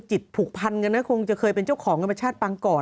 จิตผูกพันกันนะคงจะเคยเป็นเจ้าของธรรมชาติปังก่อน